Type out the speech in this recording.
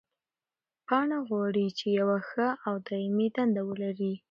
پاڼه غواړي چې یوه ښه او دایمي دنده ولري.